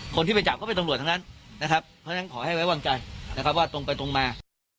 คนที่ไปจับก็เป็นตำรวจทั้งนั้นนะครับเพราะฉะนั้นขอให้ไว้วางใจนะครับว่าตรงไปตรงมา